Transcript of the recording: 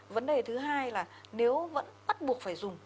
vấn đề thứ hai là nếu vẫn bắt buộc phải dùng